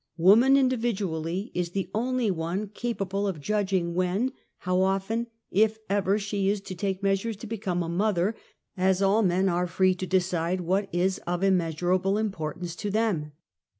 Woman individu ally, is the only one capahle of judging when, how often, if ever, she is to take measures to become a mother as all men are free to decide what is of im measurable importance to them.